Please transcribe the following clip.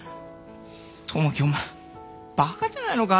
友樹お前バカじゃないのか？